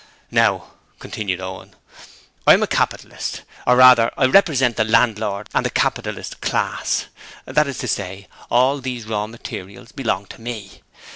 'Now,' continued Owen, 'I am a capitalist; or, rather, I represent the landlord and capitalist class. That is to say, all these raw materials belong to me.